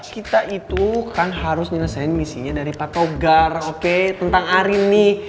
kita itu kan harus menyelesaikan misinya dari patogar oke tentang arin nih